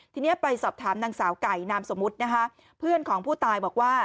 ทีนี้ไปสอบถามนางสาวไก่นามสมมุตินะคะเพื่อนของผู้ตายบอกว่า